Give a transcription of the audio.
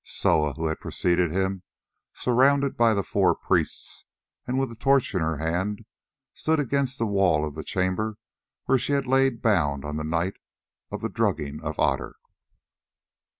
Soa, who had preceded him, surrounded by the four priests and with a torch in her hand, stood against that wall of the chamber where she had lain bound on the night of the drugging of Otter.